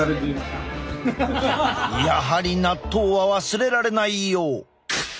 やはり納豆は忘れられないよう。